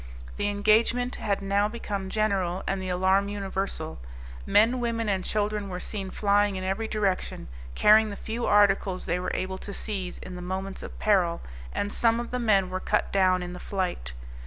The engagement had now become general, and the alarm universal. Men, women and children were seen flying in every direction, carrying the few articles they were able to seize in the moments of peril, and some of the men were cut down in the flight.